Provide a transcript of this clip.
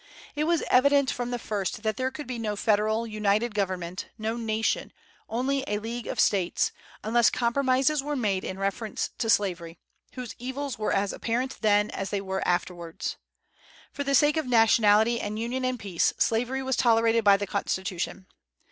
It was evident from the first that there could be no federal, united government, no nation, only a league of States, unless compromises were made in reference to slavery, whose evils were as apparent then as they were afterwards. For the sake of nationality and union and peace, slavery was tolerated by the Constitution.